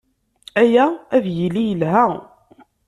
Aya ad yili yelha.